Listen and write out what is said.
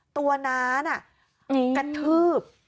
น้าน่ะกระทืบ